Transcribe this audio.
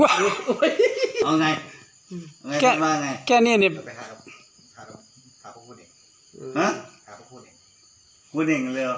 เอาไงแกนี่นิด